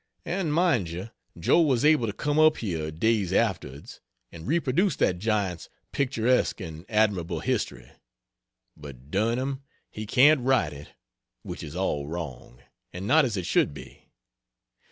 And mind you Joe was able to come up here, days afterwards, and reproduce that giant's picturesque and admirable history. But dern him, he can't write it which is all wrong, and not as it should be.